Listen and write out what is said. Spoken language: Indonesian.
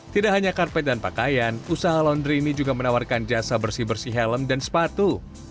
tidak hanya karpet dan pakaian usaha laundry ini juga menawarkan jasa bersih bersih helm dan sepatu